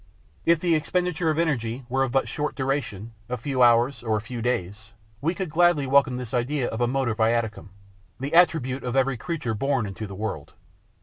If the expenditure of energy were of but short duration, a few hours or a few days, we could gladly welcome this idea of a motor viaticum, the attribute of every creature born into the world.